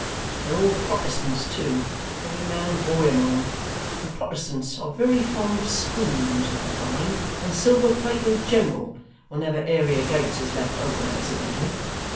They're all Protestants too every man and boy among 'em: and Protestants are very fond of spoons, I find, and silver plate in general, whenever area gates is left open accidentally.